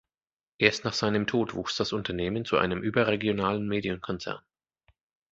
Erst nach seinem Tod wuchs das Unternehmen zu einem überregionalen Medienkonzern.